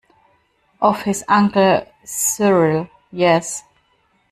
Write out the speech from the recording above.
Of his Uncle Cyril, yes.